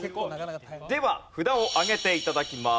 では札を上げて頂きます。